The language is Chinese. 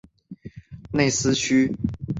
内斯屈。